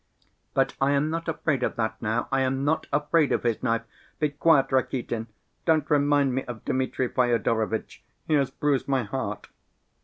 But I am not afraid of that now, I am not afraid of his knife. Be quiet, Rakitin, don't remind me of Dmitri Fyodorovitch, he has bruised my heart.